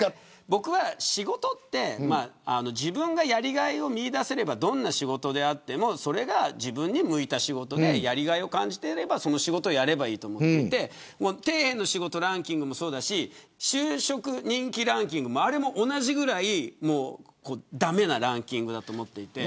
僕は仕事って自分がやりがいを見出してどんな仕事であってもそれが自分に向いた仕事であってやりがいを感じていれば仕事をやればいいと思ってて底辺の仕事ランキングもそうだし就職人気ランキングもあれも同じぐらい駄目なランキングだと思っていて。